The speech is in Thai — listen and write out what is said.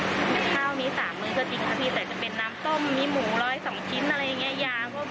เสียงดังเหมือนว่าใช้คำอย่างครูจะตายกันทีแล้ว